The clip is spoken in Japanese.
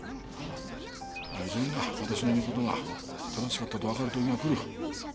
まっいずれなわたしの言うことが正しかったと分かるときが来る。